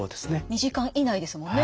２時間以内ですもんね。